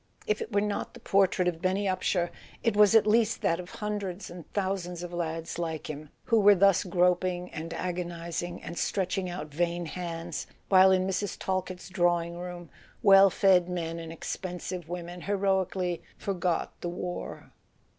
If it were not the portrait of Benny Upsher it was at least that of hundreds and thousands of lads like him, who were thus groping and agonizing and stretching out vain hands, while in Mrs. Talkett's drawing room well fed men and expensive women heroically "forgot the war."